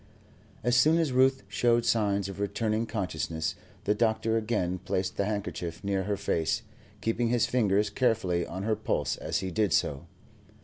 As soon as Ruth showed signs of returning consciousness, the doctor again placed the handkerchief near her face, keeping his fingers carefully on her pulse as he did so.